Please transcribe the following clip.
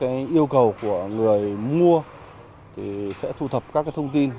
theo yêu cầu của người mua sẽ thu thập các thông tin